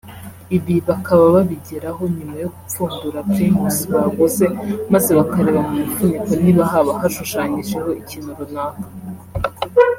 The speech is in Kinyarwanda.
Ibi bakaba babigeraho nyuma yo gupfundura primus baguze maze bakareba mu mufuniko niba haba hashushanyijeho ikintu runaka